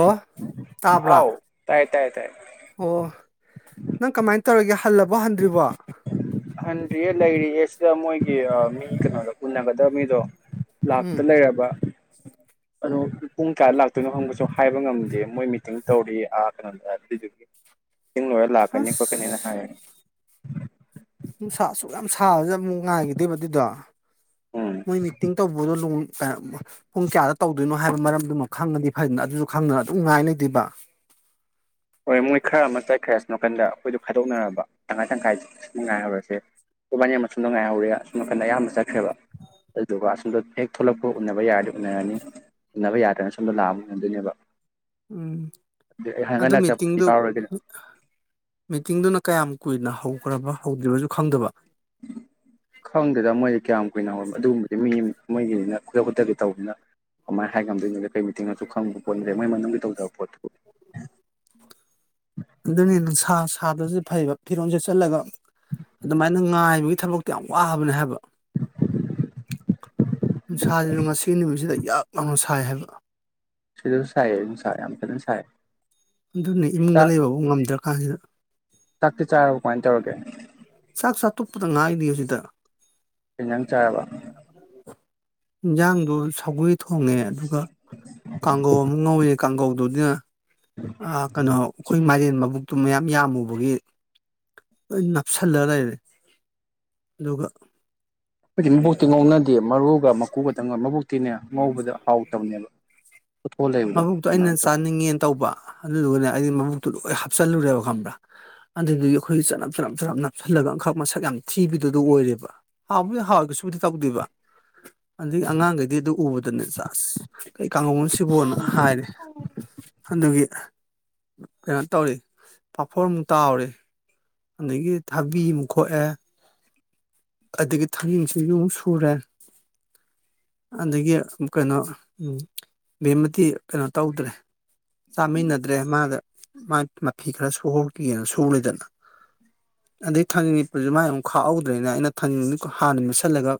ꯑꯣ ꯇꯥꯕ꯭ꯔꯥ ꯇꯥꯏꯌꯦ ꯇꯥꯏꯌꯦ ꯑꯣ ꯅꯪ ꯀꯃꯥꯏꯅ ꯇꯧꯔꯒꯦ ꯍꯜꯂꯕꯣ ꯍꯟꯗ꯭ꯔꯤꯕꯣ ꯍꯟꯗ꯭ꯔꯤꯌꯦ ꯂꯩꯔꯤꯌꯦ ꯁꯤꯗ ꯃꯣꯏꯒꯤ ꯃꯤ ꯀꯩꯅꯣꯗꯣ ꯎꯅꯒꯗꯕ ꯃꯤꯗꯣ ꯂꯥꯛꯇ ꯎꯝ ꯂꯩꯔꯕ ꯑꯗꯣ ꯄꯨꯡ ꯀꯌꯥ ꯂꯥꯛꯇꯣꯏꯅꯣ ꯍꯪꯕꯁꯨ ꯍꯥꯏꯕ ꯉꯝꯗꯦ ꯃꯣꯏ ꯃꯤꯇꯤꯡ ꯇꯧꯔꯤ ꯑꯥ ꯀꯩꯅꯣꯗ ꯑꯗꯨꯏꯗꯨꯒꯤ ꯏꯪ ꯂꯣꯏꯔ ꯂꯥꯛꯀꯅꯤ ꯈꯣꯠꯀꯅꯤꯅ ꯑꯁ ꯍꯥꯏꯌꯦ ꯅꯨꯡꯁꯥ ꯑꯁꯨꯛ ꯌꯥꯝ ꯁꯥꯕꯁꯤꯗ ꯑꯃꯨꯛ ꯉꯥꯏꯒꯤꯗꯣꯏꯕ ꯑꯗꯨꯗꯣ ꯎꯝ ꯃꯣꯏ ꯃꯤꯇꯤꯡ ꯇꯧꯕꯗꯣ ꯂꯣꯢ ꯄꯨꯡ ꯀꯌꯥꯗ ꯇꯧꯗꯣꯏꯅꯣ ꯍꯥꯏꯕ ꯃꯔꯝꯗꯨꯃ ꯈꯪꯉꯗꯤ ꯐꯩꯗꯅ ꯑꯗꯨꯁꯨ ꯈꯪꯗꯅ ꯑꯗꯨꯝ ꯉꯥꯏ ꯂꯩꯗꯣꯏꯕ ꯍꯣꯏ ꯃꯣꯏ ꯈꯔ ꯑꯃ ꯆꯠꯈ꯭ꯔꯦ ꯑꯁ ꯅꯥꯀꯟꯗ ꯑꯩꯈꯣꯏꯗꯣ ꯈꯥꯏꯗꯣꯛꯅꯔꯕ ꯇꯪꯈꯥꯏ ꯇꯪꯈꯥꯏꯗ ꯑꯁꯨꯝ ꯉꯥꯏꯍꯧꯔꯁꯦ ꯈꯣꯏꯕꯥꯅꯤ ꯑꯃ ꯑꯁꯣꯝꯗ ꯉꯥꯏꯍꯧꯔꯦ ꯑꯁꯣ ꯅꯥꯀꯟꯗ ꯑꯌꯥꯝꯕ ꯆꯠꯈ꯭ꯔꯕ ꯑꯗꯨꯗꯨꯒ ꯑꯁꯨꯝꯝꯗꯣ ꯍꯦꯛ ꯊꯣꯛꯂꯛꯄ ꯎꯅꯕ ꯌꯥꯔꯗꯤ ꯎꯅꯔꯅꯤ ꯎꯟꯅꯅꯕ ꯌꯥꯗꯅ ꯁꯣꯝꯗꯣ ꯂꯥꯛꯑ ꯎꯟꯅꯗꯣꯏꯅꯦꯕ ꯑꯝ ꯑꯗꯨꯃꯤ ꯃꯤꯇꯤꯡꯗꯨ ꯌꯥꯎꯔꯒꯦ ꯃꯤꯇꯤꯡꯗꯨꯅ ꯀꯌꯥ ꯌꯥꯝ ꯀꯨꯏꯅ ꯍꯧꯈꯒ꯭ꯔꯕ ꯍꯧꯗ꯭ꯔꯤꯕꯖꯨ ꯈꯪꯗꯕ ꯈꯪꯗꯦꯗ ꯃꯣꯏꯗꯤ ꯀꯌꯥꯝ ꯀꯨꯏꯅ ꯍꯧꯔ ꯑꯗꯨꯕꯨꯗꯤ ꯃꯤ ꯃꯣꯏꯒꯤꯅ ꯈꯨꯗ ꯈꯨꯗꯛꯠꯇꯀꯤ ꯇꯧꯕꯗꯅꯤꯅ ꯀꯃꯥꯏꯅ ꯍꯥꯏꯝꯗꯣꯏꯅꯣ ꯀ ꯀꯩ ꯃꯤꯇꯤꯡꯉꯁꯨ ꯈꯪꯕ ꯄꯣꯠꯅꯠꯇꯦ ꯃꯣꯏ ꯃꯅꯨꯡꯒꯤ ꯇꯧꯗꯕ ꯄꯣꯠꯇꯨ ꯑꯗꯨꯅꯤ ꯁꯥ ꯁꯥꯗ꯭ꯔꯁꯨ ꯐꯩꯕ ꯐꯤꯔꯣꯟ ꯁꯦꯆꯜꯂꯒ ꯑꯗꯨꯃꯥꯏꯅ ꯉꯥꯏꯕꯒꯤ ꯊꯕꯛꯇꯣ ꯌꯥꯝ ꯋꯥꯕꯅꯦ ꯍꯥꯏꯕ ꯅꯨꯡ ꯁꯥꯁꯤꯁꯨ ꯉꯁꯤꯒꯤ ꯅꯨꯃꯤꯠꯁꯤꯗ ꯌꯛ ꯂꯥꯎꯅ ꯁꯥꯏ ꯍꯥꯏꯕ ꯁꯤꯗꯁꯨ ꯁꯥꯏꯌꯦ ꯑꯗꯨ ꯁꯥꯏ ꯌꯥꯝ ꯐꯖꯅ ꯁꯥꯏ ꯑꯗꯨꯅꯦ ꯏꯃꯨꯡꯗ ꯆꯥꯛ ꯂꯩꯕꯕꯧ ꯉꯝꯗ꯭ꯔꯀꯥꯟꯁꯤꯗ ꯆꯥꯛꯇꯤ ꯆꯥꯔꯕ ꯀꯃꯥꯏꯅ ꯇꯧꯔꯒꯦ ꯆꯥꯛ ꯇꯣꯛꯄꯗ ꯉꯥꯏꯔꯤꯌꯦ ꯍꯧꯖꯤꯛꯇ ꯀꯩꯏꯟꯖꯪ ꯆꯥꯔꯕ ꯏꯟꯖꯥꯡꯗꯨ ꯁꯧꯒ꯭ꯔꯤ ꯊꯣꯡꯉꯦ ꯑꯗꯨꯒ ꯀꯥꯡꯒꯧ ꯑꯃ ꯉꯧꯋꯦ ꯀꯥꯡꯒꯧꯗꯨꯗꯤꯅ ꯑ ꯀꯅꯣ ꯑꯈꯣꯏ ꯃꯥꯢꯕꯦꯟ ꯃꯕꯨꯛꯇꯨ ꯃꯌꯥꯝ ꯌꯥꯝꯃꯨꯕꯒꯤ ꯂꯣꯏ ꯅꯞꯁꯤꯜꯂ ꯂꯩꯔꯦ ꯑꯗꯨꯒ ꯈꯣꯏꯗꯤ ꯃꯕꯨꯛꯇꯤ ꯉꯧꯅꯗꯦ ꯃꯔꯨꯒ ꯃꯀꯨꯒꯇꯪꯒ ꯃꯕꯨꯛꯇꯤꯅꯦ ꯉꯧꯕꯗ ꯍꯥꯎꯇꯝꯅꯦꯕ ꯃꯕꯨꯛꯇꯣ ꯑꯩꯅ ꯆꯥꯅꯤꯡꯉꯦꯅ ꯇꯧꯕ ꯑꯗꯨꯗꯨꯒꯅꯦ ꯑꯩꯅ ꯃꯕꯨꯇꯨ ꯂꯣꯏ ꯍꯥꯞꯆꯜꯂꯨꯔꯦꯕ ꯈꯪꯕ꯭ꯔꯥ ꯑꯗꯨꯗꯨꯒꯤ ꯑꯈꯣꯏꯒꯤ ꯆꯅꯝ ꯆꯅꯞ ꯆꯅꯞ ꯅꯞꯁꯤꯜꯂꯒ ꯑꯪꯈꯛ ꯃꯁꯛ ꯌꯥꯝ ꯊꯤꯕꯗꯨꯗ ꯑꯣꯏꯔꯦꯕ ꯍꯥꯎꯕꯨꯗꯤ ꯍꯥꯎꯔꯒꯁꯨꯕꯨꯗꯤ ꯇꯧꯗꯦꯕ ꯑꯗꯒꯤ ꯑꯉꯥꯡꯈꯩꯗꯤ ꯑꯗꯨ ꯎꯕ ꯑꯗꯨ ꯆꯁ ꯀꯩ ꯀꯥꯉꯧꯅꯣꯁꯤꯕꯨ ꯅ ꯑꯗꯨꯒꯤ ꯀꯩꯅꯣ ꯇꯧꯔꯤ ꯄꯥꯐꯣꯔ ꯑꯃꯨꯛ ꯇꯥꯎꯔꯦ ꯑꯗꯒꯤ ꯊꯥꯕꯤ ꯑꯃꯨꯛ ꯈꯣꯛꯑꯦ ꯑꯗꯒꯤ ꯊꯥꯡꯖꯤꯡ ꯁꯤꯡꯖꯨ ꯑꯃꯨꯛ ꯁꯨꯔꯦ ꯑꯗꯒꯤ ꯀꯩꯅꯣ ꯕꯦꯝꯃꯗꯤ ꯀꯩꯅꯣ ꯇꯧꯗ꯭ꯔꯦ ꯆꯥꯃꯤꯟꯅꯗ꯭ꯔꯦ ꯃꯥꯒ ꯃꯥꯥꯏ ꯃꯐꯤ ꯈꯔ ꯁꯨꯍꯧꯈꯤꯒꯦꯅ ꯁꯨꯔꯦꯗꯅ ꯑꯗꯩ ꯊꯥꯡꯖꯤꯡ ꯃꯦꯠꯄꯁꯨ ꯃꯥꯏ ꯑꯃꯨꯛ ꯈꯥꯛꯍꯧꯗ꯭ꯔꯦꯅ ꯑꯩꯅ ꯍꯥꯟꯅ ꯃꯦꯠꯁꯤꯜꯂꯒ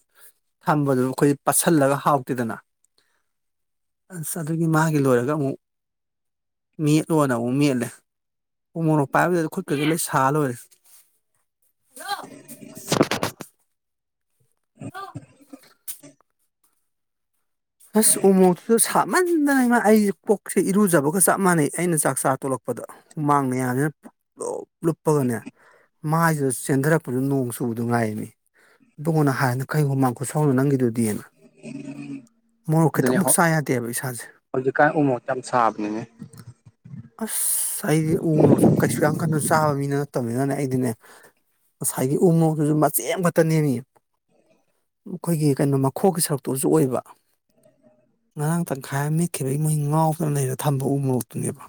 ꯊꯝꯕꯗꯨ ꯑꯩꯈꯣꯏꯗꯤ ꯄꯠꯁꯤꯜꯂꯒ ꯍꯥꯎꯇꯦꯗꯅ ꯑꯁ ꯑꯗꯨꯒꯤ ꯃꯥꯒꯤ ꯂꯣꯏꯔꯒ ꯑꯃꯨꯛ ꯃꯦꯠꯂꯣꯅ ꯑꯃꯨꯛ ꯃꯦꯠꯂꯦ ꯎꯃꯣꯔꯣꯛ ꯄꯥꯏꯕꯗꯨꯗ ꯈꯨꯠꯀꯁꯨ ꯂꯣꯏ ꯁꯥ ꯂꯣꯏꯔꯦ ꯍꯜꯂꯣ ꯑꯁ ꯎꯃꯣꯛꯇꯨ ꯁꯥꯃꯟꯗꯅꯉ ꯑꯩꯁꯦ ꯄꯨꯛꯁꯦ ꯏꯔꯨꯖꯕꯒ ꯆꯞ ꯃꯥꯟꯅꯩ ꯑꯩꯅ ꯆꯥꯛ ꯆꯥ ꯇꯣꯛꯂꯛꯄꯗ ꯍꯨꯃꯥꯡ ꯃꯌꯥꯝꯁꯤꯅ ꯄꯨꯨꯡꯂꯞ ꯂꯨꯞꯄꯒꯅꯦ ꯃꯥꯏꯁꯤꯗ ꯆꯦꯟꯊꯔꯛꯄꯗꯨ ꯅꯣꯡ ꯆꯨꯕꯗꯨ ꯉꯥꯏꯔꯦꯃꯤ ꯇꯣꯑꯣꯅ ꯍꯥꯢꯅ ꯀꯩ ꯍꯨꯝꯃꯥꯡ ꯈꯨꯁꯧꯅꯣ ꯅꯪꯒꯤꯗꯨꯗꯤ [inaudible] ꯑꯗꯨꯅꯦ ꯈꯤꯇꯪꯃꯨꯛ ꯍꯧ ꯆꯥ ꯌꯥꯗꯦꯕ ꯏꯁꯥꯁꯦ ꯍꯧꯖꯤꯛꯀꯥꯟ ꯎꯃꯣꯔꯣꯛꯁꯦ ꯌꯥꯝ ꯁꯥꯕꯅꯤꯅꯦ ꯑꯁ ꯑꯩꯗꯤ ꯎꯃꯔꯣꯔꯣꯛꯁꯨ ꯀꯩꯁꯨ ꯌꯥꯝ ꯀꯟꯅ ꯆꯥꯕ ꯃꯤꯅ ꯅꯠꯇꯕꯅꯤꯅꯅꯦ ꯑꯩꯗꯤꯅꯦ ꯉꯁꯥꯏꯒꯤ ꯎ ꯃꯣꯔꯣꯛꯇꯨꯁꯨ ꯃꯆꯦ ꯑꯝ ꯈꯛꯇ ꯅꯦꯃꯤ ꯑꯩꯈꯣꯏꯒꯤ ꯀꯩꯅꯣ ꯃꯈꯣꯛꯀꯤ ꯁꯔꯨꯛꯇꯨꯁꯨ ꯑꯣꯏꯕ ꯉꯔꯥꯡ ꯇꯪꯈꯥꯏ ꯑꯃ ꯃꯦꯠꯈꯤꯕꯒꯤ ꯃꯣꯏ ꯉꯥꯎꯗꯅ ꯂꯩꯔ ꯊꯝꯕ ꯎ ꯃꯣꯛꯇꯨꯅꯦꯕ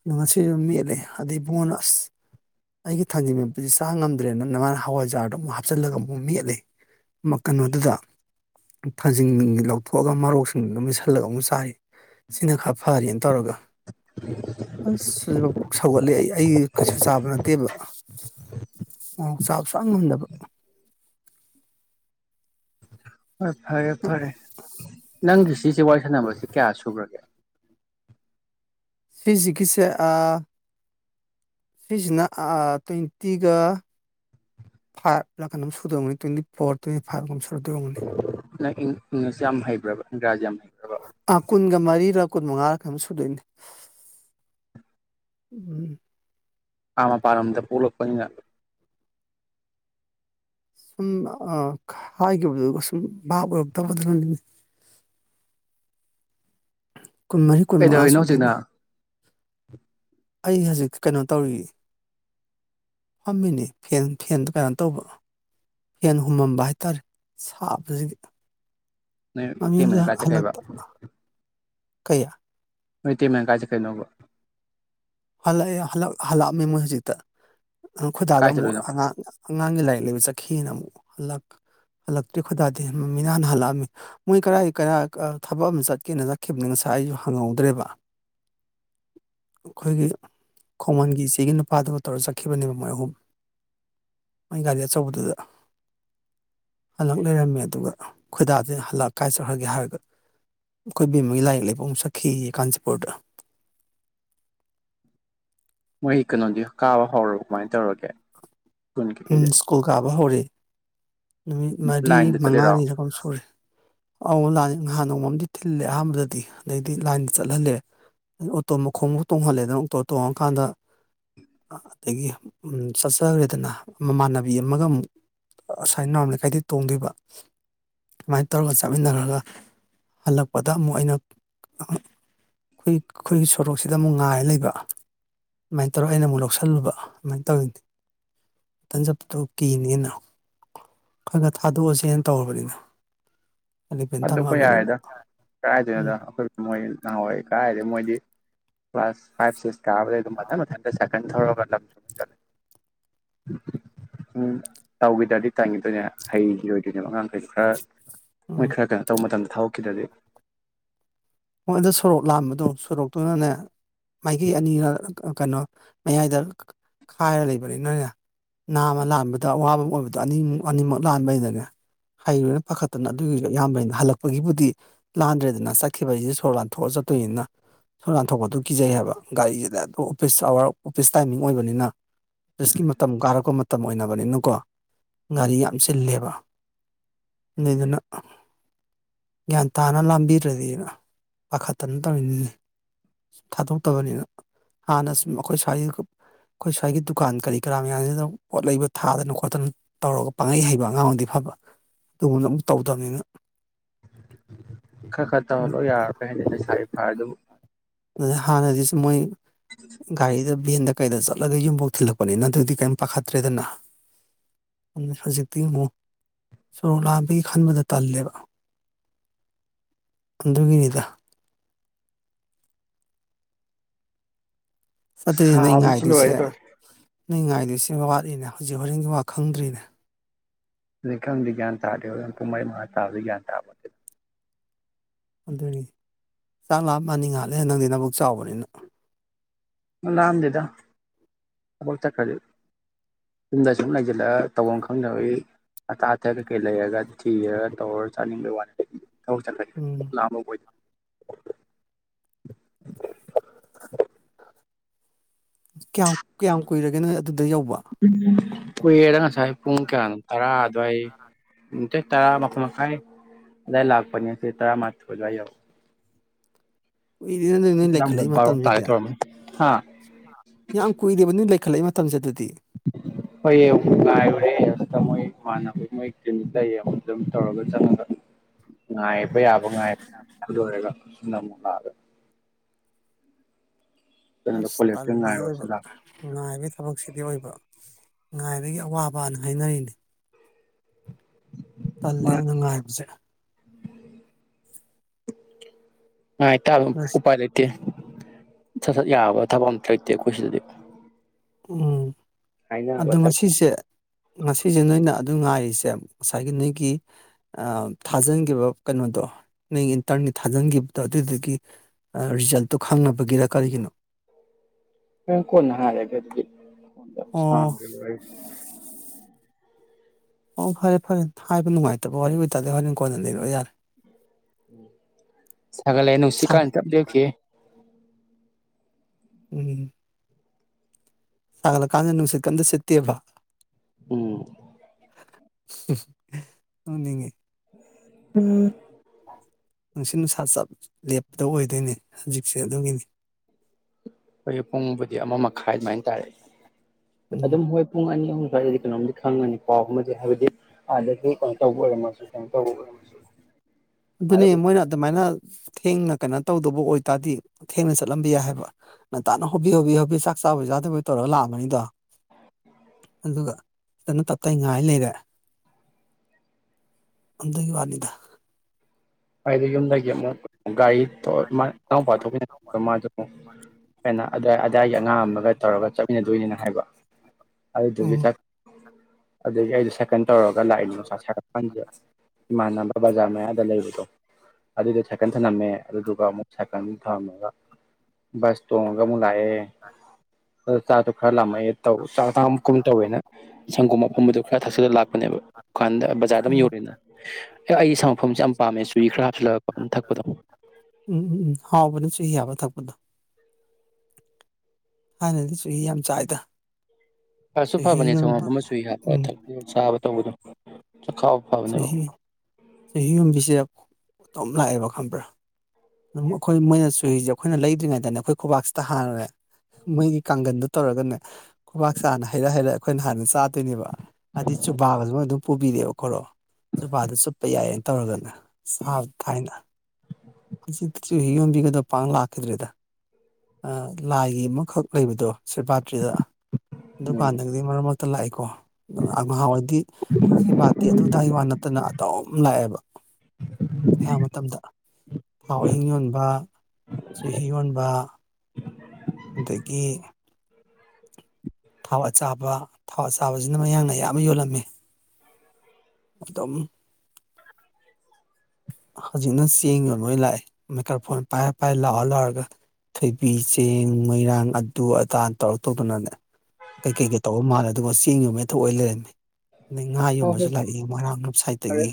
ꯑꯗꯣ ꯉꯁꯤꯁꯨ ꯃꯦꯠꯂꯦ ꯑꯗꯩ ꯏꯕꯨꯡꯉꯣꯅ ꯑꯁ ꯑꯩꯒꯤ ꯊꯥꯡꯖꯤꯡ ꯃꯦꯄꯖꯤ ꯆꯥ ꯉꯝꯗ꯭ꯔꯦꯅ ꯃꯅꯥ ꯍꯋꯥꯏꯖꯥꯔꯗꯣ ꯑꯃꯨꯛ ꯍꯥꯞꯆꯤꯜꯂꯒ ꯑꯃꯨꯛ ꯃꯦꯠꯂꯦ ꯃꯈ ꯀꯩꯅꯣ ꯑꯗꯨꯗ ꯊꯥꯡꯖꯤꯡ ꯂꯧ ꯂꯧꯊꯣꯛꯑꯒ ꯃꯔꯣꯛꯁꯤꯡꯗꯨꯅ ꯃꯦꯠꯁꯤꯜꯂꯒ ꯑꯃꯨꯛ ꯆꯥꯔꯤ ꯁꯤꯅ ꯈꯔ ꯐꯔꯦꯅ ꯇꯧꯔꯒ ꯑꯁ ꯁꯧꯒꯠꯂꯤ ꯑꯩ ꯑꯩ ꯀꯩꯁꯨ ꯆꯥꯕ ꯅꯠꯇꯦꯕ ꯃꯣꯔꯣꯛ ꯆꯥꯕ ꯁꯨꯉꯝ ꯉꯝꯗꯕ ꯍꯣꯏ ꯐꯔꯦ ꯐꯔꯦ ꯅꯪꯒꯤꯁ ꯁꯤꯁꯦ ꯋꯥꯔꯤ ꯁꯥꯟꯅꯕꯁꯤ ꯀꯌꯥ ꯁꯨꯈ꯭ꯔꯒꯦ ꯁꯤꯁꯤꯀꯤꯁꯦ ꯑꯥ ꯁꯤꯁꯤꯅ ꯑꯥ ꯇ꯭ꯋꯦꯟꯇꯤꯒ ꯐꯥꯏꯚ ꯂ ꯀꯩꯅꯣꯝ ꯁꯨꯗꯣꯢꯅꯤ ꯇ꯭ꯋꯦꯟꯇꯤ ꯐꯣꯔ ꯇ꯭ꯋꯦꯟꯇꯤ ꯐꯥꯏꯚꯀꯨꯝ ꯁꯨ ꯑꯗꯨ ꯑꯣꯔꯝꯒꯅꯤ ꯅꯪꯪ ꯏꯪ ꯢꯪꯂꯤꯁ ꯌꯥꯝ ꯍꯕ꯭ꯔꯕ ꯏꯪꯒ꯭ꯔꯥꯖꯤ ꯌꯥꯝ ꯍꯩꯕ꯭ꯔꯕ ꯑꯥ ꯀꯨꯟꯒ ꯃꯔꯤꯔ ꯀꯨꯟ ꯃꯉꯥꯔ ꯀꯩꯅꯣꯝ ꯁꯨꯗꯣꯏꯅꯦ ꯑ ꯃꯄꯥꯟ ꯂꯝꯗ ꯄꯣꯛꯂꯛꯄꯅꯤꯅ ꯁꯨꯝ ꯑ ꯍꯥꯏꯈꯤꯕꯗꯨꯒ ꯁꯨꯝ ꯚꯥꯞ ꯑꯣꯏꯔꯛꯇꯕꯗꯨꯅꯅꯦ ꯀꯨꯟꯃꯔꯤ ꯀꯨꯟꯃꯉꯥ ꯀꯩꯗꯧꯔꯤꯅꯣ ꯍꯧꯖꯤꯛꯅ ꯁꯨꯗꯣꯢꯅꯦ [inaudible] ꯑꯩ ꯍꯧꯖꯤꯛ ꯀꯩꯅꯣ ꯇꯧꯔꯤꯌꯦ ꯐꯝꯃꯤꯅꯦ ꯐꯦꯟ ꯐꯦꯟꯗꯣ ꯀꯩꯅꯣ ꯇꯧꯕ ꯐꯦꯟ ꯍꯨꯝꯃꯝꯕ ꯍꯥꯏꯇꯥꯔꯦ ꯁꯥꯕꯁꯤꯗꯤ ꯅꯣꯏ ꯃꯃꯤꯡꯁꯨ ꯏꯇꯩꯃꯥꯅ ꯀꯥꯢ ꯆꯠꯈꯤꯕ ꯀꯩ ꯅꯣꯢ ꯏꯇꯩꯃꯥꯅ ꯀꯥꯢ ꯆꯠꯈꯤꯅꯣꯕ ꯍꯜꯂꯛꯑꯦ ꯍꯜ ꯍꯜꯂꯛꯑꯝꯃꯦ ꯃꯣꯢ ꯍꯧꯖꯤꯛꯇ ꯑꯥ ꯈꯣꯏꯗꯥꯗ ꯀꯥꯏ ꯑꯃꯨꯛ ꯆꯠꯂꯨꯏꯅꯣ ꯑꯉꯥꯡ ꯑꯉꯥꯡꯒꯤ ꯂꯥꯏꯔꯤꯛ ꯂꯩꯕ ꯆꯠꯈꯤꯑꯅ ꯑꯃꯨꯛ ꯍꯜꯂꯛ ꯍꯜꯂꯛꯇ꯭ꯔꯤ ꯈꯣꯏꯗꯥꯗꯤ ꯃꯝꯃꯤꯅ ꯍꯥꯟꯅ ꯍꯜꯂꯛꯑꯝꯃꯤ ꯃꯣꯏ ꯀꯔꯥꯏ ꯀ ꯑ ꯊꯕꯛ ꯑꯃ ꯆꯠꯀꯦꯅ ꯆꯠꯈꯤꯕꯅꯤ ꯉꯁꯥꯏ ꯑꯩꯁꯨ ꯍꯪꯍꯧꯗ꯭ꯔꯦꯕ ꯑꯩꯈꯣꯏꯒꯤ ꯈꯣꯡꯃꯟꯒꯤ ꯏꯆꯦꯒꯤ ꯅꯨꯄꯥꯗꯨꯒ ꯇꯧꯔ ꯆꯠꯈꯤꯕꯅꯦꯕ ꯃꯣꯏ ꯑꯍꯨꯝ ꯃꯣꯏ ꯒꯥꯔꯤ ꯑꯆꯧꯕꯗꯨꯗ ꯍꯜꯂꯛ ꯂꯩꯔꯝꯃꯦ ꯑꯗꯨꯒ ꯈꯣꯏꯗꯥꯁꯦ ꯍꯜꯂꯛꯑ ꯀꯥꯏ ꯆꯠꯈ꯭ꯔꯒꯦ ꯍꯥꯏꯔꯒ ꯑꯩꯈꯣꯏ ꯕꯦꯝꯃꯥꯒꯤ ꯂꯥꯏꯔꯤꯛ ꯂꯩꯕ ꯑꯃꯨꯛ ꯆꯠꯈꯤꯌꯦ ꯀꯥꯟꯆꯤꯄꯨꯔꯗ ꯃꯣꯢ ꯀꯩꯅꯣꯗꯤ ꯀꯥꯕ ꯍꯧꯔꯕꯣ ꯀꯃꯥꯏꯟ ꯇꯧꯔꯒꯦ ꯁ꯭ꯀꯨꯜ ꯎꯝ ꯀꯩꯀꯩꯗꯤ ꯁ꯭ꯀꯨꯜ ꯀꯥꯕ ꯍꯧꯔꯦ ꯅꯨꯃꯤꯠ ꯃꯔꯤ ꯂꯥꯏꯟꯗ ꯆꯠꯂꯤꯔꯣ ꯃꯉꯥꯅꯤꯔ ꯀꯩꯅꯣꯝ ꯁꯨꯔꯦ ꯑꯧ ꯂꯥ ꯅꯍꯥꯟ ꯅꯣꯡꯃꯝꯗꯤ ꯊꯤꯜꯂꯦ ꯑꯍꯥꯟꯕꯗꯗꯤ ꯑꯗꯩꯗꯤ ꯂꯥꯏꯟꯗ ꯆꯠꯍꯜꯂꯦ ꯑꯣꯇꯣ ꯃꯈꯣꯡꯕꯧ ꯇꯣꯡꯍꯜꯂꯦꯗꯅ ꯑꯣꯇꯣ ꯇꯣꯡꯉꯀꯥꯟꯗ ꯑꯗꯒꯤ ꯆꯠꯆꯈ꯭ꯔꯦꯗꯅ ꯃꯃꯥꯟꯅꯕꯤ ꯑꯃꯒ ꯑꯃꯨꯛ ꯑꯁꯥꯏ ꯅꯥꯎꯔꯝ ꯂꯩꯀꯥꯏꯗꯩ ꯇꯣꯡꯗꯣꯏꯕ ꯑꯗꯨꯃꯥꯏꯅ ꯇꯧꯔꯒ ꯆꯠꯃꯤꯟꯅꯔꯒ ꯍꯜꯂꯛꯄꯗ ꯑꯃꯨꯛ ꯑꯩꯅ ꯑꯩꯈ ꯑꯩꯈꯣꯏꯒꯤ ꯁꯣꯔꯣꯛꯁꯤꯗ ꯑꯃꯨꯛ ꯉꯥꯏꯔ ꯂꯩꯕ ꯑꯗꯨꯃꯥꯏꯅ ꯇꯧꯔꯒ ꯑꯩꯅ ꯑꯃꯨꯛ ꯂꯧꯁꯤꯜꯂꯨꯕ ꯑꯗꯨꯃꯥꯏꯅ ꯇꯧꯔꯤꯅꯤ ꯇꯟꯆꯠꯄꯗꯣ ꯀꯤꯅꯦꯅ ꯈꯔ ꯈꯔ ꯊꯥꯗꯣꯛꯑꯁꯦꯅ ꯇꯧꯔꯕꯅꯤꯗ ꯊꯥꯗꯣꯀꯄꯥ ꯌꯥꯔꯦꯗ ꯀꯗꯥꯥꯏꯗꯩꯅꯣꯗ ꯎꯝ ꯑꯈꯣꯏ ꯃꯣꯏ ꯅꯍꯥꯟꯋꯥꯏ ꯀꯥꯏꯗꯩꯩ ꯃꯣꯏ ꯀ꯭ꯂꯥꯁ ꯐꯥꯏꯄ ꯁꯤꯁ ꯀꯥꯕꯗꯩꯩ ꯑꯗꯨꯝ ꯃꯊꯟ ꯝꯊꯟꯠ ꯁꯥꯏꯛꯜ ꯊꯧꯔꯒ ꯂꯝ ꯁꯨꯅꯕ ꯆꯠꯂꯦ ꯎꯝ ꯇꯧꯒꯤꯗ꯭ꯔꯗꯤ ꯇꯟꯒꯤꯗꯣꯢꯅꯦ ꯍꯩꯈꯤꯔꯣꯏꯗꯣꯏꯅꯦꯕ ꯑꯉꯥꯡꯈꯩ ꯈꯔ ꯃꯣꯏ ꯎꯝ ꯈꯔ ꯀꯩꯅꯣ ꯇꯧꯕ ꯃꯇꯝꯗ ꯊꯥꯗꯣꯛꯈꯤꯗ꯭ꯔꯗꯤ ꯍꯣꯏ ꯑꯗꯣ ꯁꯣꯔꯣꯛ ꯂꯥꯝꯕꯗꯣ ꯁꯣꯔꯣꯛꯇꯨꯅꯅꯦ ꯃꯥꯏꯒꯩ ꯑꯅꯤꯔꯛ ꯀꯩꯅꯣ ꯃꯌꯥꯏꯗ ꯈꯏꯔꯥ ꯂꯩꯕꯅꯤꯅꯅꯦ ꯅꯥꯝꯃ ꯂꯥꯟꯕꯗ ꯑꯋꯥꯕ ꯑꯃ ꯑꯣꯏꯕꯗꯣ ꯑꯅꯤꯃꯨꯛ ꯑꯅꯤꯃꯛ ꯂꯥꯟꯕꯩꯗꯅꯦ ꯍꯩꯔꯣꯏꯅ ꯄꯥꯈꯠꯇꯅ ꯑꯗꯨꯒꯤꯁꯨꯌꯥꯝꯕꯅꯤꯗ ꯍꯜꯂꯛꯄꯒꯤꯕꯨꯗꯤ ꯂꯥꯟꯗ꯭ꯔꯦꯗꯅ ꯆꯠ ꯈꯤꯕꯩꯁꯦ ꯁꯣꯔ ꯂꯥꯟꯊꯣꯛꯑ ꯆꯠꯇꯣꯏꯅꯤꯅ ꯁꯣꯔ ꯂꯥꯟꯊꯣꯛꯄꯗꯨ ꯀꯤꯖꯩ ꯍꯥꯏꯕ ꯒꯥꯔꯤꯁꯤꯗ ꯑꯗꯨ ꯎꯄꯤꯁ ꯑꯋꯥꯔ ꯎꯞꯤꯁ ꯇꯥꯏꯃꯤꯡ ꯑꯣꯏꯕꯅꯤꯅ ꯑꯣꯄꯤꯁꯀꯤ ꯃꯇꯝ ꯀꯥꯔꯛꯄ ꯃꯇꯝ ꯑꯣꯏꯅꯕꯅꯤꯅꯀꯣ ꯒꯥꯔꯤ ꯌꯥꯝ ꯆꯤꯜꯂꯦꯕ ꯑꯗꯨꯗꯨꯅ ꯒ꯭ꯌꯥꯟ ꯇꯥꯅ ꯂꯥꯟꯕꯤꯗ꯭ꯔꯗꯤꯅ ꯄꯥꯈꯠꯇꯅ ꯇꯧꯔꯤꯅꯤ ꯁꯨꯝ ꯊꯥꯗꯣꯛꯇꯕꯅꯤꯅ ꯍꯥꯟꯅ ꯁꯨꯝ ꯑꯈꯣꯏ ꯁ꯭ꯋꯥꯏꯒꯤ ꯑꯩꯈꯣꯏ ꯁ꯭ꯋꯥꯏꯒꯤ ꯗꯨꯀꯥꯟ ꯀꯔꯤ ꯀꯔꯥ ꯃꯌꯥꯝꯁꯤꯗ ꯄꯣꯠ ꯂꯩꯕ ꯊꯥꯗꯅ ꯈꯣꯠꯇꯅ ꯇꯧꯔꯒ ꯄꯥꯡꯉꯩ ꯍꯩꯕ ꯑꯉꯥꯡꯑꯣꯏꯗꯤ ꯐꯕ ꯑꯗꯨꯒꯨꯝꯕꯗꯨ ꯑꯃꯨꯛ ꯇꯧꯗꯕꯅꯤꯅ ꯈꯥ ꯈꯔꯥ ꯇꯧꯍꯟꯂꯣ [unintelligible] ꯂꯩꯁꯕꯤ ꯐꯔꯗꯨꯕꯨ ꯑꯗꯩ ꯍꯥꯟꯗꯤꯁꯨ ꯃꯣꯏ ꯒꯥꯔꯤꯗ ꯚꯦꯟꯗ ꯀꯩꯗ ꯆꯠꯂꯒ ꯌꯨꯝꯕꯣꯛ ꯊꯤꯜꯂꯛꯄꯅꯤꯅ ꯑꯗꯨꯗꯤ ꯀꯩꯝ ꯄꯥꯈꯠꯇ꯭ꯔꯦꯗꯅ ꯍꯧꯖꯤꯛꯇꯤ ꯑꯃꯨꯛ ꯁꯣꯔꯣꯛ ꯂꯥꯟꯕꯒꯤ ꯈꯟꯕꯗ ꯇꯜꯂꯦꯕ ꯑꯗꯨꯒꯤꯅꯤꯗ ꯆꯠꯇꯣꯏꯅꯦ ꯅ ꯁꯥꯕꯅꯁꯨ ꯂꯣꯏꯔꯦ ꯉꯥꯏꯗꯣꯏꯁꯦ ꯇꯧꯔꯤꯁꯦ ꯅꯣꯏ ꯉꯥꯏꯗꯣꯏꯁꯦ ꯋꯥꯠꯂꯤꯅ ꯍꯧꯖꯤꯛ ꯍꯣꯔꯦꯟꯒꯤ ꯋꯥ ꯈꯪꯗ꯭ꯔꯤꯅꯦ ꯂꯩꯈꯪꯗꯤ ꯒ꯭ꯌꯥꯟ ꯇꯥꯗꯦ ꯍꯣꯔꯦꯅ ꯄꯨꯪ ꯃꯔꯤ ꯃꯉꯥ ꯇꯥꯕꯗꯥ ꯒꯌ꯭ꯥꯟ ꯇꯥꯕꯄꯣꯛꯇꯦ ꯑꯗꯨꯅꯤ ꯆꯥꯛ ꯂꯝꯃꯛ ꯑꯅꯤ ꯉꯏꯍꯛ ꯂꯩꯔ ꯅꯪꯗꯤ ꯅꯕꯨꯛ ꯆꯥꯎꯕꯅꯤꯅ ꯂꯥꯝꯗꯦꯗꯥ ꯊꯕꯛ ꯆꯠꯈ꯭ꯔꯗꯤ ꯌꯨꯝꯗ ꯁꯨꯝ ꯂꯩꯁꯤꯜꯂꯒ ꯇꯧꯐꯝ ꯈꯪꯗꯕꯩ ꯑꯇꯥ ꯑꯊꯛ ꯀꯩꯀꯩ ꯂꯩꯔꯒ ꯊꯤꯔꯒ ꯇꯧꯔꯔ ꯆꯥꯅꯤꯡꯕꯩ ꯋꯥꯅꯤ ꯊꯕꯛ ꯆꯠꯂꯥꯗꯤꯅꯦ ꯎꯝ ꯀꯩꯃ ꯂꯝꯕ ꯑꯣꯏꯗꯦ ꯀꯌꯥꯝ ꯀꯌꯥꯝ ꯀꯨꯏꯔꯒꯦ ꯅꯣꯡ ꯑꯗꯨꯗ ꯌꯧꯕ ꯀꯨꯏꯔꯦꯗ ꯉꯁꯥꯏ ꯄꯨꯡ ꯀꯌꯥꯅꯣ ꯇꯔꯥ ꯑꯗꯨꯋꯥꯏ ꯅꯥꯇꯦ ꯇꯔꯥ ꯃꯥꯄꯟ ꯃꯈꯥꯏ ꯑꯗꯨꯋꯥꯏ ꯂꯥꯛꯄꯅꯤ ꯁꯦ ꯇꯔꯥꯃꯥꯊꯣꯏ ꯑꯗꯨꯋꯥꯏ ꯌꯧꯔꯛ ꯀꯨꯏꯔꯦꯅꯦ ꯅꯪ ꯅꯣꯏ ꯂꯩꯈꯠꯂꯛꯏ ꯕꯥꯔꯣ ꯇꯥꯒꯦ ꯃꯇꯝꯁꯤꯗꯤ ꯇꯧꯔꯝꯃꯅꯤ ꯍꯥ ꯌꯥꯝ ꯀꯨꯏꯔꯦꯕ ꯅꯣꯏ ꯂꯩꯈꯠꯂꯛꯏ ꯃꯇꯝꯁꯦ ꯑꯗꯨꯗꯤ ꯗꯤ ꯍꯣꯏꯌꯦꯡ ꯉꯥꯏꯔꯨꯔꯦ ꯑꯁꯤꯗ ꯃꯣꯏ ꯏꯃꯥꯟꯅꯕ ꯃꯣꯏ ꯇꯤꯝ ꯇꯩꯌꯦ ꯗꯨꯝ ꯇꯧꯔꯒ ꯆꯪꯉꯒ ꯉꯥꯏ ꯕ ꯌꯥꯕ ꯉꯥꯏꯕ ꯂꯣꯏꯔꯒ ꯑꯃꯨꯛ ꯂꯥꯛ ꯑꯒ ꯑꯁ ꯀꯣꯂꯦꯖꯇ ꯇꯜꯂꯤꯍꯦ ꯑꯣꯏꯕ ꯉꯥꯏꯔꯨꯔꯁꯤꯅ ꯉꯥꯏꯕꯩ ꯊꯕꯛꯁꯤꯗꯤ ꯑꯑꯣꯏꯕ ꯉꯥꯏꯕꯒꯤ ꯑꯋꯥꯕꯅ ꯍꯥꯏꯅꯔꯤꯅꯦ ꯇꯜꯂꯦ ꯂꯥꯛꯄ ꯌꯥꯝꯅ ꯉꯥꯏꯕꯁꯦ ꯉꯥꯏ ꯇꯥꯕ ꯎꯄꯥꯢ ꯂꯩꯇꯦ ꯁꯠ ꯁꯠ ꯌꯥꯕ ꯊꯕꯛ ꯑꯝꯇ ꯂꯩꯇꯦ ꯑꯈꯣꯏ ꯁꯤꯗꯗꯤ ꯎꯝ ꯍꯥꯏꯅꯕ ꯑꯗꯨ ꯇꯞꯅ ꯉꯁꯤꯁꯦ ꯉꯁꯤꯁꯦ ꯅꯣꯏꯅ ꯑꯗꯨ ꯉꯥꯏꯔꯤꯁꯦ ꯉꯁꯥꯏꯒꯤ ꯅꯣꯏꯒꯤ ꯑꯝ ꯊꯥꯖꯤꯟꯈꯤꯕ ꯀꯩꯅꯣꯗꯣ ꯅꯣꯏꯒꯤ ꯏꯟꯇꯔꯟꯒꯤ ꯊꯥꯖꯤꯟꯈꯤꯕꯗꯣ ꯑꯗꯨꯗꯨꯒꯤ ꯑꯥ ꯔꯤꯖꯜꯇꯣ ꯈꯪꯅꯕꯒꯤꯔ ꯀꯔꯤꯒꯤꯅꯣ ꯍꯣꯔꯦꯟ ꯀꯣꯟꯅ ꯍꯥꯏꯔꯦ ꯑꯗꯨꯗꯤ ꯈꯪꯗꯦ ꯑꯣ ꯁꯥꯡꯒ꯭ꯔꯦ ꯋꯥꯔꯤꯁꯦ ꯑꯣ ꯐꯔꯦ ꯐꯔꯦ ꯍꯥꯏꯕ ꯅꯨꯡꯉꯥꯏꯇꯕ ꯋꯥꯔꯤ ꯑꯣꯏꯇꯥꯔꯗꯤ ꯍꯣꯔꯦꯟ ꯀꯣꯟꯅ ꯂꯤꯔꯛꯏ ꯑꯣꯖ ꯌꯥꯔꯦ ꯆꯒ ꯂꯩ ꯅꯁꯤ ꯁꯥ ꯀꯥꯥꯟ ꯂꯦꯞꯈꯤꯍꯦ [inaudible] ꯎꯝ ꯁꯥꯒꯠꯂ ꯀꯥꯟꯁꯤꯗ ꯅꯨꯡꯁꯤꯠꯀ ꯑꯝ ꯁꯤꯠꯇꯦꯕ ꯎꯝ ꯇꯨꯝꯅꯤꯡꯉꯦ ꯎꯝ ꯅꯨꯡꯁꯤꯠ ꯅꯨꯡꯁꯥ ꯆꯞ ꯂꯦꯞꯄꯗꯣ ꯑꯣꯏꯗꯣꯏꯅꯦ ꯍꯧꯖꯤꯛꯁꯦ ꯑꯗꯨꯒꯤꯅꯦ ꯍꯧꯖꯤꯛ ꯄꯨꯡꯕꯨꯗꯤ ꯑꯃ ꯃꯈꯥꯏ ꯑꯗꯨꯃꯥꯏꯅ ꯇꯥꯔꯦ ꯎꯝ ꯑꯗꯨꯝ ꯍꯣꯏ ꯄꯨꯡ ꯑꯅꯤ ꯃꯨꯛ ꯑꯗꯨꯗꯤ ꯀꯩꯅꯣꯝꯗꯤ ꯈꯪꯉꯅꯤ ꯄꯥꯎ ꯑꯃꯗꯤ ꯍꯥꯏꯕꯗꯤ ꯑꯥꯗꯒꯤ ꯀꯩꯅꯣ ꯇꯧꯕ ꯑꯣꯏꯔꯝꯃꯁꯨ ꯀꯩꯅꯣ ꯇꯧꯕ ꯑꯣꯏꯔꯝꯃꯁꯨ ꯑꯗꯨꯅꯤ ꯃꯣꯏꯅ ꯑꯗꯨꯃꯥꯏꯅ ꯊꯦꯡꯅ ꯀꯩꯅꯣ ꯇꯧꯗꯕ ꯑꯣꯏꯇꯥꯔꯗꯤ ꯊꯦꯡꯅ ꯆꯠꯂꯝꯕ ꯌꯥꯏ ꯍꯥꯏꯕ ꯉꯟꯇꯥꯅ ꯍꯣꯕꯦ ꯍꯣꯕꯦ ꯍꯣꯕꯦ ꯆꯥꯛ ꯆꯥꯕꯣꯏ ꯆꯥꯗꯕꯣꯏ ꯇꯧꯔꯒ ꯂꯥꯛꯑꯝꯃꯅꯤꯗꯣ ꯑꯗꯨꯒ ꯁꯤꯗ ꯑꯃꯨꯛ ꯇꯞ ꯇꯥꯏ ꯉꯥꯏ ꯂꯩꯔꯦ ꯑꯗꯨꯒꯤ ꯋꯥꯅꯤꯗ ꯑꯩꯗꯣ ꯌꯨꯝꯗꯒꯤ ꯑꯃꯨꯛ ꯒꯥꯔꯤ [inaudible] ꯑꯗꯥꯏ ꯑꯗꯥꯏꯒꯤ ꯑꯉꯥꯡ ꯑꯃꯒ ꯇꯧꯔꯒ ꯆꯠꯃꯤꯟꯅꯗꯣꯏꯅꯤꯅ ꯍꯥꯏꯕ ꯑꯗꯨꯗꯨꯒꯤ ꯎꯝ ꯑꯗꯒꯤ ꯑꯩꯖ ꯁꯀꯜ ꯇꯧꯔꯒ ꯂꯥꯛꯏꯅ ꯅꯨꯡꯁꯥ ꯁꯥꯒ꯭ꯔꯀꯥꯟꯁꯤꯗ ꯏꯃꯥꯟꯅꯕ ꯕꯖꯥꯔ ꯃꯌꯥꯗ ꯂꯩꯕꯗꯣ ꯑꯗꯨꯒ ꯁꯥꯏꯀꯟ ꯊꯅꯝꯃꯦ ꯑꯗꯨꯗꯨꯒ ꯑꯃꯨꯛ ꯁꯥꯏꯀꯜ ꯊꯅꯝꯃꯒ ꯕꯁ ꯇꯣꯡꯉꯒ ꯑꯃꯨꯛ ꯂꯥꯛꯑꯦ ꯍꯣꯏ ꯆꯥꯛꯇꯣ ꯈꯔ ꯂꯥꯝꯃꯛꯑꯦ ꯇꯧ ꯆꯥꯛ ꯊꯥꯃꯨꯛ ꯀꯨꯝ ꯇꯧꯋꯦꯅ ꯁꯪꯒꯣꯝ ꯑꯐꯝꯕꯗꯣ ꯈꯔ ꯊꯛꯆꯜꯂ ꯂꯥꯛꯄꯅꯦꯕ ꯀꯥꯟꯗ ꯕꯖꯥꯔꯗ ꯑꯗꯨꯝ ꯎꯝ ꯌꯧꯔꯦꯅ ꯑꯦ ꯑꯩ ꯁꯪꯒꯣꯝ ꯑꯐꯝꯕꯁꯦ ꯌꯥꯝ ꯄꯥꯝꯃꯦ ꯆꯨꯍꯤ ꯈꯔ ꯍꯥꯞꯆꯤꯜꯂꯒ ꯑꯗꯨꯝ ꯊꯛꯄꯗꯣ ꯎꯝ ꯎꯝ ꯎꯝ ꯍꯥꯎꯕꯅꯤ ꯆꯨꯍꯤ ꯍꯥꯞꯄ ꯊꯛ ꯄꯗꯣ ꯍꯥꯟꯅꯗꯤ ꯆꯨꯔꯤ ꯌꯥꯝ ꯆꯥꯏꯗ ꯐꯁꯨ ꯆꯨꯍꯤ ꯐꯕꯅꯦ ꯁꯪꯒꯣꯝ ꯌꯣꯟꯕ ꯑꯐꯝꯕ ꯆꯨꯍꯤ ꯍꯥꯞꯄꯒ ꯎꯝ ꯊꯛꯄꯑꯣ ꯆꯥꯕ ꯇꯧꯕꯗꯣ ꯆꯈꯥꯎ ꯐꯕꯅꯦꯕ ꯆꯨꯍꯤ ꯆꯨꯍꯤꯉꯝꯕꯤꯖ ꯂꯥꯛꯑꯦꯕ ꯈꯪꯕ꯭ꯔꯥ ꯑꯗꯨ ꯑꯩꯈꯣꯏ ꯃꯣꯏꯅ ꯆꯨꯍꯤꯁꯦ ꯑꯩꯈꯣꯏꯅ ꯂꯩꯗ꯭ꯔꯤꯉꯩꯗꯅꯦ ꯑꯩꯈꯣꯏ ꯈꯨꯕꯥꯛꯁꯤꯗ ꯍꯥꯟꯅꯅꯦ ꯃꯣꯏꯒꯤ ꯀꯥꯡꯒꯟꯗ ꯇꯧꯔꯒꯅꯦ ꯈꯨꯕꯥꯛꯁꯤꯗ ꯍꯥꯟꯅ ꯍꯩꯔ ꯍꯩꯔ ꯑꯩꯈꯣꯏꯅ ꯍꯥꯟꯅ ꯆꯥꯗꯣꯏꯅꯦꯕ ꯑꯗꯨꯁꯨꯨ ꯄꯕꯗ ꯑꯗꯨꯝ ꯄꯨꯕꯤꯔꯦꯕ ꯈꯣꯏꯗꯣ ꯆꯨꯄꯥꯗꯨ ꯆꯨꯞꯄ ꯌꯥꯏꯌꯦꯅ ꯇꯧꯔꯒꯅꯦ ꯁꯥꯕ ꯊꯥꯏꯅ ꯍꯧꯖꯤꯛꯇꯤ ꯆꯨꯍꯤ ꯌꯣꯟꯕꯤꯒꯗꯣ ꯄꯥꯡ ꯂꯥꯛꯈꯤꯗ꯭ꯔꯦꯗ ꯂꯥꯏꯒꯤ ꯑꯃꯈꯛ ꯂꯩꯕꯗꯣ ꯁꯤꯕꯔꯥꯇ꯭ꯔꯤꯗ ꯎꯝ ꯗꯨꯀꯥꯟꯗꯒꯗꯤ ꯃꯔꯛ ꯃꯔꯛ ꯇ ꯂꯥꯛꯏꯀꯣ ꯅꯨꯡꯉꯟ ꯍꯥꯎꯗꯤ ꯁꯦꯕꯥꯇꯤ ꯑꯗꯨ ꯑꯗꯥꯒꯤ ꯋꯥ ꯅꯠꯇꯅꯥ ꯑꯗꯨꯝ ꯂꯛ ꯑꯦꯕꯥ ꯑꯌꯥꯝꯕ ꯃꯇꯝꯗ ꯊꯥꯎ ꯑꯍꯤꯡ ꯌꯣꯟꯕ ꯆꯨꯍꯤ ꯌꯣꯟꯕ ꯑꯗꯒꯤ ꯊꯥꯎ ꯂꯣꯏ ꯌꯣꯟꯂꯝꯃꯦ ꯑꯗꯨꯝ [inaudible] ꯍꯧꯖꯤꯛꯅ ꯆꯦꯡꯒ ꯂꯣꯏ ꯂꯥꯛꯑꯦ ꯃꯥꯏꯀ꯭ꯔꯐꯣꯟ ꯄꯥꯏꯔ ꯄꯥꯏꯔ ꯂꯥꯎꯔ ꯂꯥꯎꯔꯒ ꯊꯣꯏꯕꯤ ꯆꯦꯡ ꯃꯣꯏꯔꯥꯡ ꯑꯗꯨ ꯑꯗꯥꯅ ꯇꯧꯔ ꯇꯧꯗꯅꯅꯦ ꯀꯩ ꯀꯩꯒ ꯇꯧꯕ ꯃꯥꯜꯂꯦ ꯑꯗꯨꯒ ꯆꯦꯡ ꯌꯣꯟꯕꯩ ꯇ ꯑꯣꯏ ꯂꯩꯔꯝꯃꯦ ꯑꯗꯩ ꯉꯥ ꯍꯣ ꯌꯣꯟꯕꯁꯨ ꯍꯣꯏ ꯂꯥꯛꯏ ꯃꯣꯏꯔꯥꯡ ꯂꯣꯝ ꯐꯔꯦ ꯁꯥꯏꯠꯇꯒꯤ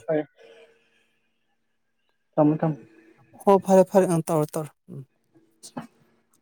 ꯊꯝꯃꯨ ꯊꯝꯃꯨ ꯍꯣ ꯐꯔꯦ ꯐꯔꯦ ꯑꯪ ꯇꯧꯔꯣ ꯇꯧꯔꯣ ꯎꯝ [inaudible]